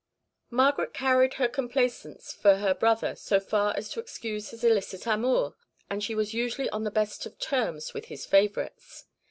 Margaret carried her complaisance for her brother so far as to excuse his illicit amours, and she was usually on the best of terms with his favourites.